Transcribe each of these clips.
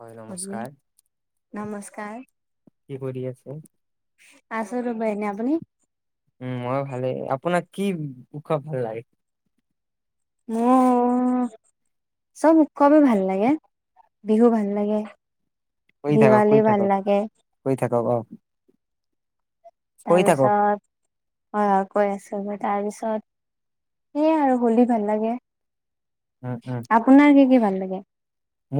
হয় নমস্কাৰ নমস্কাৰ। কি কৰি আছে? আছোঁ ৰ'বা এনি, আপুনি? উম মই ভালে আপোনাক কি উৎসৱ ভাল লাগে? মোৰ চব উৎসৱে ভাল লাগে, বিহু ভাল লাগে। দিৱালী ভাল লাগে। প্ৰব তাৰপিছত, হয় হয় কৈ আছো। তাৰপিছত, সেয়াই আৰু হোলী ভাল লাগে। উম উম আপোনাৰ কি কি ভাল লাগে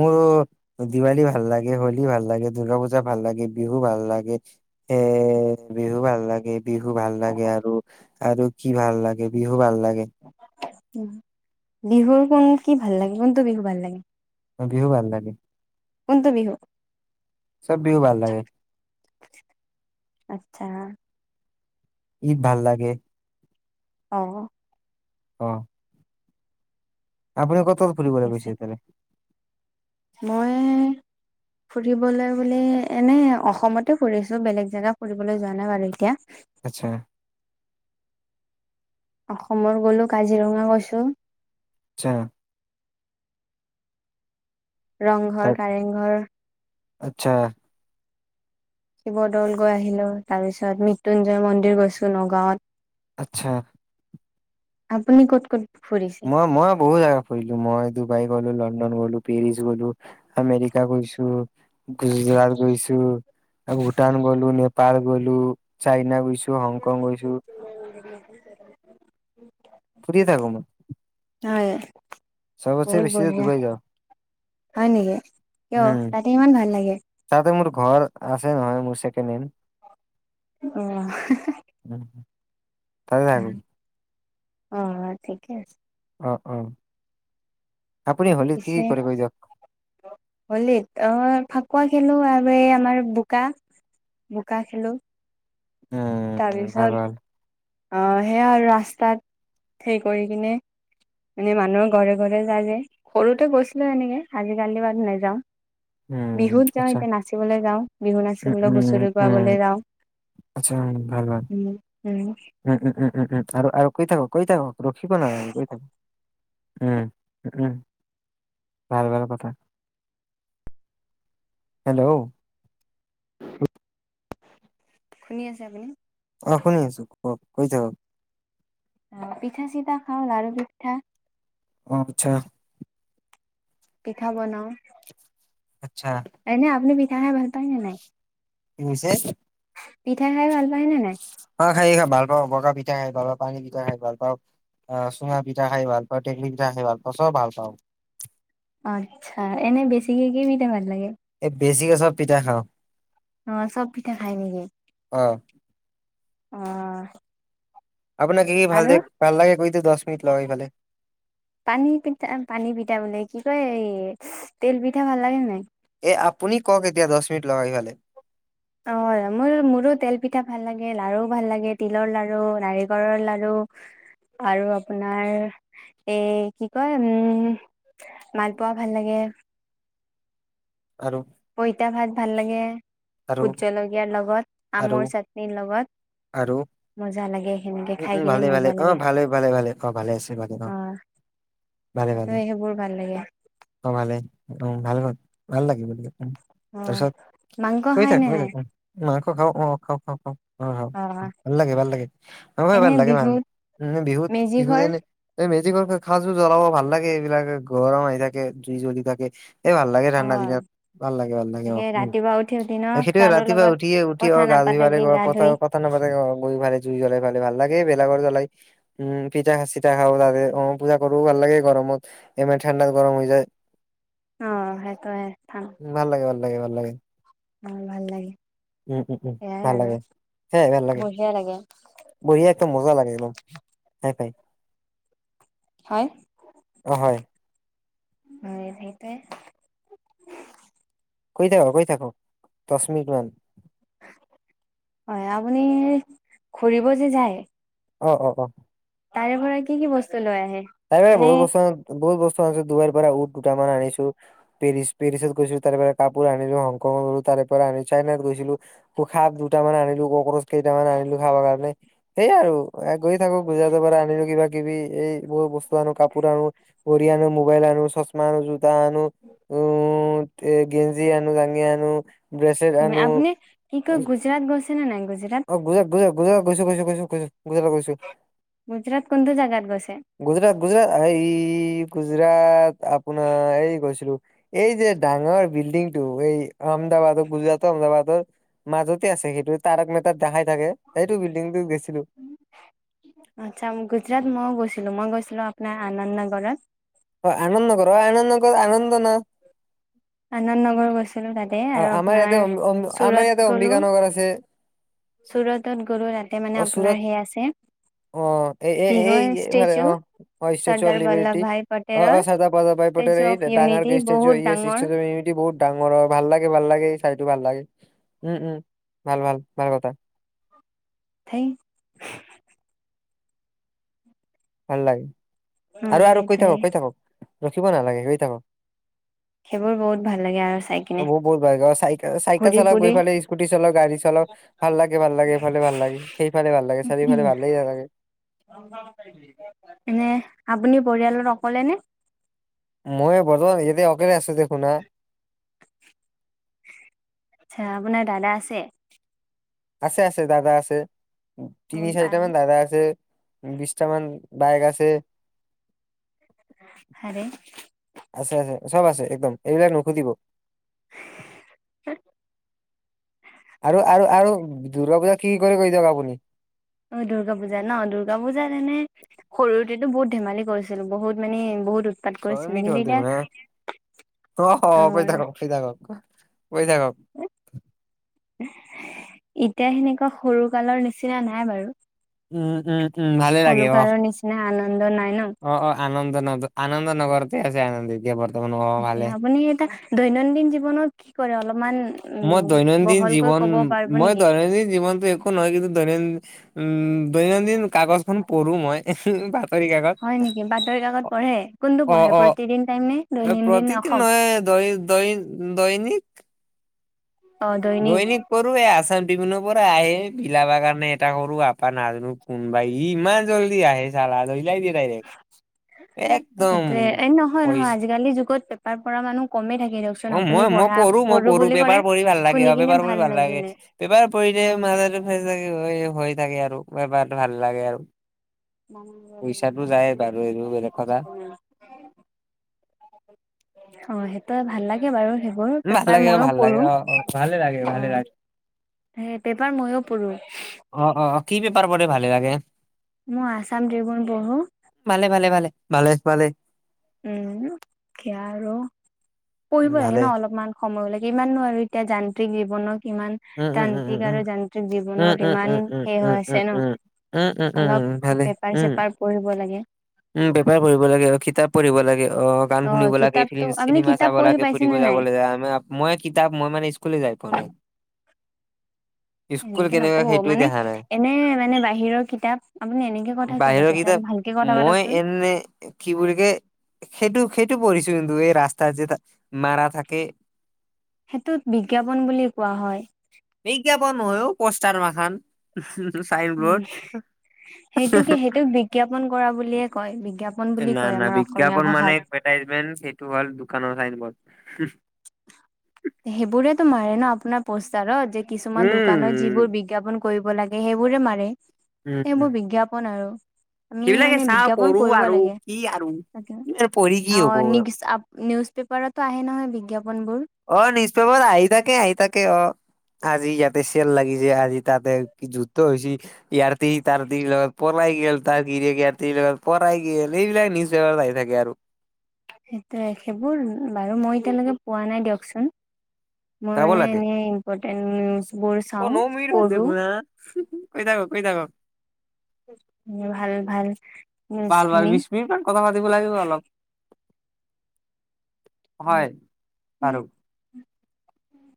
মোৰ [unintelligible] দিৱালী ভাল লাগে, হলী ভাল লাগে, দূৰ্গাপূজা ভাল লাগে, বিহু ভাল লাগে। এ', বিহু ভাল লাগে, বিহু ভাল লাগে আৰু। আৰু কি ভাল লাগে বিহু ভাল লাগে। গে উম, বিহুৰ কোন কি ভাল লাগে? কোনটো বিহু ভাল লাগে? মাঘ বিহু ভাল লাগে। কোনটো বিহু? চব বিহু ভাল লাগে। আচছা। ঈদ ভাল লাগে। অহ। অহ। আপোনালোকৰ ক'ত ঠিক ফুৰিবলৈ আছে গৈছে মানে? মই ফুৰিবলৈ বুলি এনে অসমতে ফুৰিছো। বেলেগ জেগা ফুৰিবলৈ যোৱা নাই বাৰু এতিয়া। আচ্ছা। অসমৰ গ'লো কাজিৰঙা গৈছো। আচছা। ৰংঘৰ, কাৰেংঘৰ, আচ্ছা। শিৱদৌল গৈ আহিলো, তাৰ পিছত মৃত্যুঞ্জয় মন্দিৰ গৈছো নগাঁৱত। আচ্ছা। আপুনি ক'ত', - ক'ত', ফুৰিছে মই', - মই', বহুত জাগা ফুৰিলো। মই ডুবাই গ'লো, লণ্ডন গলো পেৰিচ গ'লো, আমেৰিকা গৈছো, গুজৰাট গৈছো, ভূটান গ'লো নে, পাৰ গ'লো, চাইনা গুছো, হংকং গৈছো, ফুৰি থাকো মই। হয়', চবতছে বহুত বেছি বঢ়িয়া ডুবাই যাওঁ হয়', নেকি কিয়? উম তাতে ইমান ভাল লাগে? তাতে মোৰ ঘৰ আছে নহয়, মোৰ ছেকেণ্ড-হেণ্ড, আহ', তাতে থাকোঁ। অ', ঠিকে আছে। অ', -অ', আপুনি হোলীত কি', - কি', কৰে কৈ যাওক? হোলীত অ', ফাকুৱা খেলো, আৰু এই', আমাৰ বোকা-বোকা খেলো। উম ভাল তাৰপিছত ভাল অঁ সেয়া আৰু ৰাস্তাত সে কৰি কিনে এনে মানুহৰ ঘৰে ঘৰে যায় যে সৰুতে গৈছিলো এনেকে আজিকালি ইমান নাযাওঁ উম বিহুত যাওঁ আচ্ছা এতিয়া নাচিবলৈ যাওঁ বিহু উম নাচিবলৈ উম হুচৰি উম গোৱাবলৈ যাওঁ আচ্ছা ভাল ভাল উম উম উম উম আৰু আৰু কৈ থাকক, কৈ থাকক, ৰখিব নালাগে, কৈ থাকক। উম উম ভাল ভাল কথা। হেল্ল' শুনি আছে আপুনি? অ', শুনি আছোঁ ক'ক। কৈ থাকক পিঠা-চিঠা খাওঁ। লাড়ু-পিঠা অ', আচ্ছা পিঠা বনাওঁ আচ্ছা এনে আপনি [unintelligible] [unintelligible] ভাল পায়নে নাই? কি হৈছে? পিঠা খাই ভাল পায়নে নাই? পিঠা খাই ভাল পাওঁ। বগা পিঠা খাই ভাল পাওঁ। পানী পিঠা খাই ভাল পাওঁ। আহ চুঙা পিঠা খাই ভাল পাওঁ। টেকেলী পিঠা খাই ভাল পাওঁ। চব ভাল পাওঁ। আচ্ছা, এনেই বেছিকে কি পিঠা ভাল লাগে? [unintelligible] বেছিকে চব পিঠা খাওঁ। অ', চব পিঠা খায় নেকি? অ' অ' আপোনাক কি কি ভাল আৰু দে ভাল লাগে কৈ দিয়ক দছ মিনিট লগাই ফালে তই এই তেল পিঠা ভাল লাগে নাই? এ আপুনি কওক এতিয়া, দছ মিনিট লগাই ফালে অ', মোৰ মোৰো তেল পিঠা ভাল লাগে। লাড়ু ভাল লাগে। তিলৰ লাড়ু, নাৰিকলৰ লাড়ু আৰু আপোনাৰ এই কি কয়, উম মালপোৱা ভাল লাগে। আৰু পইতা-ভাত ভাল লাগে। আৰু ভোট জলকীয়াৰ লগত, আৰু আমৰ চাটনিৰ লগত, আৰু মজা লাগে হেনেকে উম, উম, খাই কিনে ভালে ভালে মজা অ' লাগে। ভালে ভালে ভালে অ' ভালে আছে ভালে অ', ভালে ভালে সেইটোৱে সেইবোৰ ভাল লাগে। অ' ভালে অ', ভাল ভাল, ভাল লাগিব বুলে উম অ', [unintelligible] কৈ থাক, কৈ নাই থাক, উম কউক অ', অ', খাওঁ খাওঁ খাওঁ অ', ভাল লাগে, ভাল লাগে, [unintelligible] [unintelligible] জ্বলাব এনে বিহুত মেজি ঘৰ ভাল লাগে, এইবিলাক গৰম আহি থাকে, জুই জ্বলি থাকে। এ ভাল লাগে অ ঠাণ্ডাদিনত। ভাল লাগে, ভাল লাগে তাকে অ', উম ৰাতিপুৱা উঠি উঠি ন সেইটোৱেই কাৰো ৰাতিপুৱা লগত উঠিয়ে উঠি কথা অ', গা ধুই [unintelligible] [unintelligible] নাপাতাকে জ্বলাই গা ধুই পেলাই ভালে ভাল লাগে, ভেলাঘৰ জ্বলাই। উম পিঠা-চিঠা খাওঁ তাতে অ', পূজা কৰোঁ ভাল লাগে গৰমত ইমান ঠাণ্ডাত গৰম হৈ যায়। অ', সেইটোৱেই ভাল লাগে ভাল লাগে, ভাল লাগে উম উম উম সেয়াই ভাল আৰু লাগে, সেয়াই ভাল লাগে, বঢ়িয়া একদম মজা লাগে একদম, হাই-ফাই হয় অ', হয় উ সেইট কৈ থাকক কৈ থাক দহ মিনিট মান হয় আপুনি ঘুৰিব যে যায় অ অ অ তাৰে ভৰা কি কি বস্তু লৈছে সাই ভাই বহু বস্তৰ বহু বস্তু ডুবাইৰ পৰা উট দুটামান আনিছো পেৰিছ পেৰিছত গৈছিলো তাৰ পৰা কাপোৰ আনিলো হংকং গলো তাৰ পৰা আনো চাইনাত গৈছিলো খাপ দুটামান আনিলো কক্ৰচ কেইটামান আনিলো খাবৰ কাৰণে এই আৰু গৈ থাকো গুজৰাটৰ পৰা আনিলো কিবা কিবি এই বই বস্তু আনো কাপোৰ আনো ঘড়ী আনো মোবাইল আনো চশমা আনো তানো উম তে গেঞ্জি আনো জাঙ্গীয়া আনো ব্ৰেচলেট আনো আপুনি কি কয় গুজৰাট গৈছে নে নাই গুজৰাট অ গুজক গুজক গুজৰাট গৈছ গৈছো গৈছো গছো গুজৰাট গৈছো গুজৰাাত কোনত জাগাত গৈছে গুজৰা এই গুজৰাট আপোনাৰ এই কৈছিলো এই যে ডাঙৰ বিল্ডিং টো এই আহমেদাবাদৰ গুজৰাটৰ আহমদাবাদৰ মাজতে আছে সেইটো তাৰক মে [unintelligible] আচ্ছা গুজৰাট মইও গৈছিলো মই গৈছিলো আপোনাৰ আনন্দ নগৰত অ আনন্দ নগৰ অ আনন্দ নগৰ আনন্দ আনন্দ নগৰ গৈছো অ আমাৰ ইয়াতেম আমাৰ ইয়াতে গ'লো অম্বিকানগৰ আছে চুৰতত গ'লো তাতে মানে অ আপোনাৰ চুৰত সেই আছে অ এই কি কয় এইফ ষ্টেচু অ অ statue of Sardar Vallabh liberty bhai অ পটেলৰ চৰ্দাৰ বল্লভ ভাই পটেল ষ্টেচু এই অফ ডাঙৰ ইউনিটি ষ্ট অ বহুত ডাঙৰ অফ ই বহুত ডাঙৰৰ ভাল লাগে ভাল লাগে চাই টো ভাল লাগে উম উম ভাল ভাল ভাল কথা থেই ভাল লাগে উম আৰু আৰু কৈ সেইটোয়ে থাকক কৈ থাকক ৰখিব নালাগে কৈ থাকক সেইবোৰ বহুত ভাল লাগে আৰু চাই অ কিনে বহত বহুত ভাল চাই চাইকেল ঘূৰি চলাওক ফুৰি এইফালে স্কুটি চলাক গাড়ী চলাক ভাল লাগে ভাল লাগে এইফালে ভাল লাগে সেইফালে ভাল লাগে চাৰিফালে ভালেই ন লাগে এনে আপুনি পৰিয়ালৰ অকলে নে মই বৰ্তমান ইয়াতে অকলে আছো দেখো না আচ্ছা আপোনাৰ দাদা আছে আছে আছে দাদা আছে তিনি চাৰিটামান দাদা আছে বিশছটা মান বাইক আছে আৰে আছে আছে চব আছে একদম এইবিলাক নুখুজিব হ আৰু আৰু আৰু দুৰ্গা পূজা কি কৰি কৰি দিয়ক আপুনি অ দুৰ্গা পূজা ন দুৰ্গা পূজাত এনে সৰু তেতো বহুত ধেমালি কৰিছিলো বহুত মানে বহুত উ ছয় মিনিট হ'ল দেখোন অ পই থ কক ফি থা কক শুই থাকক এতিয়া সেনেকুৱা সৰু কালৰ নিচিনা নাই বাৰু উম উম উম ভালে লাগে অ ব নাই ন অ অ আনন্দ আন আনন্দ নগৰতে আছে আনন্দী পথ তাকে আপুনি এটা দৈনন্দিন জীৱনত কি কৰে অলপ মই দৈনন্দিন জীৱন পাৰিব মই নেকি দৈনন্দিন জীৱনতো একো নহয় কিন্তু দৈনন্দিন উম দৈনন্দিন কাগজখন পঢ়োঁ মই বাতৰি কাকত হয় নেকি বাতৰি কাকত পঢ়ে কোনটো অ পঢ়ে অ প্ৰতিদিন টাইম নে দৈনন্দিন প্ৰতিদিন অসম নহয় দৈ দৈ দৈনিক দৈনিক পঢ়ো এই আছাম ত্ৰিবোন পৰা আহে ভিলা কাৰণে এটা কৰো আপা নাজানো কোনবাই ইমান জল্দি আহে চালা লৈ যাই সেইটোয়ে এই নহয় পইচা নহয় আজিকালি যুগত তাৰ পৰা মানুহ কমে থাকে দিয়কচোন অ আপুনি মই মই পঢ়া পঢ়ো মই পঢ়ো বুলি কৰে পেপাৰ পঢ়ি ভাল লাগে শুনি কিনে পেপাৰ পঢ়ি ভাল লাগে লাগিলে পেপাৰ অ পঢ়িলে মাথাটো ফ্ৰেচ হৈ থাকে আৰু পেপাৰ টো ভাল লাগে আৰু পইচাটো যায় বাৰু এইটো বেলেগ কথা অ সেই তই ভাল লাগে বাৰু সেইবোৰ ভাল পেপাৰ লাগে অ মইো ভাল লাগে পঢ়ো অ অ ভালে লাগে অ ভালে লাগে সেই পেপাৰ ময়ো পঢ়ো অ অ কি পেপাৰ পঢ় ভালে লাগে মই আছাম গুন পঢ়ো ভালে ভালে ভালে ভালে উম খিয়া ৰ পঢ়িব লাগে ভালে ন অলপমান সময় লাগে ইমান নো এতিয়া যান্ত্ৰিক জীৱনত ইমান উম উম উম তান্ত্ৰিক উম আৰু যান্ত্ৰিক উম জীৱনত উম ইমান শে হৈ উম উম আছে ন উম উম উম উম উম উম উম ভালে অলপ পেপাৰ উম চেপাৰ পঢ়িব লাগে উম বেপাৰ কৰিব লাগে আৰু কিতাপ পঢ়িব লাগে অ গান শুনিব লাগে কিতাপতো ফ আপুনি চিনেমা কিতাপ চাব পঢ়ি লাগে পাইছে ফুৰিব নে নাই যাবলৈ মই কিতাপ মই মানে স্কুলে যাই পোৱা নাই স্কুল এনেকে কেনেকুৱা নকব সেইটোৱে মানে দেখা নাই এনে মানে বাহিৰৰ কিতাপ আপুনি এনেকে কথা কিয় বাহিৰৰ পাতিছে কিতাপ অলপ ভালকে ক মই এনে কি বুলি কে সেইটো সেইটো পৰিছো কিন্তু এই ৰাস্তাত যে মাৰা থাকে সেইটোত বিজ্ঞাপন বুলি কোৱা হয় নহয় পষ্টাৰ মাখান চাইন উম বৰ্ড সেইটো কে সেইটো বিজ্ঞাপন কৰা বুলিয়ে কয় বিজ্ঞাপন বুলি না কয় না আমাৰ অসমীয়া বিজ্ঞাপন মানে ভাষাত। এভাৰটাইজমেট সেইটো হ'ল কানৰ চাইনবৰ্ড সেইবোৰেতো মাৰে ন আপোনাৰ পষ্টাৰত যে কিছুমান দোকানত উম যিবোৰ বিজ্ঞাপন কৰিব লাগে সেইবোৰে মাৰে উম এই মোৰ বিজ্ঞাপন আৰু আমি সেইবিলাকে মানে চা বিজ্ঞাপন পঢ়ো কৰিব আৰু লাগে। কি আৰু পঢ়ি অ কি হব নিউজ নিউজ পেপাৰতো আহে নহয় বিজ্ঞাপনবোৰ অ নিউজ পেপাৰ আহি থাকে আহি থাকে অ আজি ইয়াতে চেল লাগিছে আজি তাতে যুদ্ধ হৈছে ইয়াৰ তিৰি তাৰ তিৰি লগত পলাই গেল তাৰ গিৰিয়েক ইয়াৰ তিৰি লগত পলাই গল এইবিলাক নিউজ পেপাৰত আহি থাকে আৰু সেইটোয়ে সেইবোৰ বাৰু মই এতিয়ালৈকে পোৱা নাই দিয়কচোন মই চাব মানে লাগে এনেই ইম্পৰ্টেন্ট নিউজ বোৰ অ ন চাওঁ পঢ়ো শুই থাকক ভাল ভাল ভাল ভাল নিউজখিনি বিশ মিনিট মান কথা পাতিব লাগিব অলপ হয় আৰু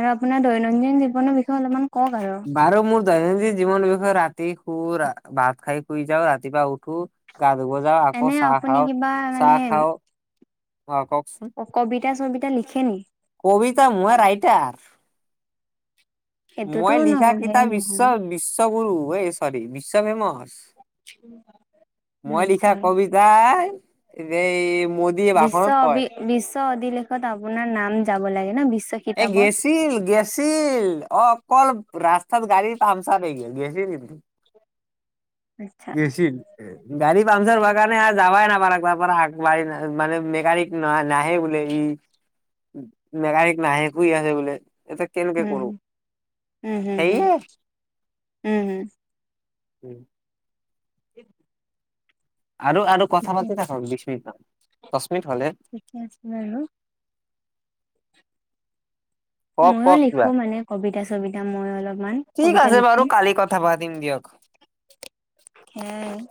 আৰু আপোনাৰ দৈনন্দিন জীৱনৰ বিষয়ে অলপমান কওক আৰু বাৰু মোৰ দৈনন্দিন জীৱন বিষয় ৰাতি শু ভাত খাই শুই যাওঁ ৰাতিপুৱা উঠো গা ধুব যাওঁ এনে আকৌ চাহ আপুনি খাওঁ চাহ খাও অঁ, কবিতা-চবিতা লিখ লিখে নি? কবিতা মই ৰাইটাৰ। সেইটোতো মই ন লিখা হে কিতাপ বিশ্ব নহয় বিশ্ব ৰু এই চ'ৰি বিশ্ব। [unintelligible] মই লিখা আচ্ছা কবিতাই, এই মোদীয়ে বিশ্ব ভাষণত কয় বিশ্ব ত আপোনাৰ নাম যাব লাগে ন বিশ্ব এ কিতাপত গেছিল গেছিল। অকল ৰাস্তাত গাড়ী পামছাৰ হৈ গেল। গেছিল কিন্তু। আচ্ছা গেছিল। গাড়ী [unintelligible] বাগানে আজ যাবাই নাপালাক। [unintelligible] মানে মেকানিক নাই। নাহে বোলে ই। মেৰাই নাহে, শুই আছে বোলে। কৰো উম-উম, হুম-হুম-হুম, সেয়ে উম-হুম। উম। [inaudible] আৰু আৰু কথা ঠিকে পাতি থাকক বিশ মিনিটমান, দহ মিনিট হ'লহে। ঠিকে আছে বাৰু কওক ময়ো কওক কিবা লিখো মানে কবিতা-চবি চবিতা মই অলপ। ঠিক আছে বাৰু কালি কথা পাতিম দিয়ক। উম।